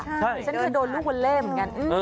ฉันเคยโดนลูกวัลเล่เหมือนกัน